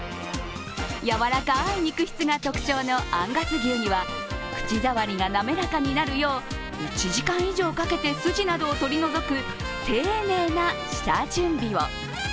やわらかい肉質が特徴のアンガス牛には口触りがなめらかになるよう１時間以上かけてスジなどを取り除く丁寧な下準備を。